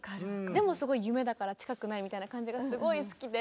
でもすごい夢だから近くないみたいな感じがすごい好きで。